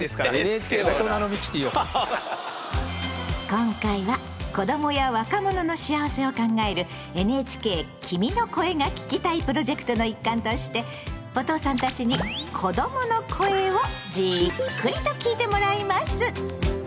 今回は子どもや若者の幸せを考えるＮＨＫ「君の声が聴きたい」プロジェクトの一環としてお父さんたちに子どもの声をじっくりと聴いてもらいます。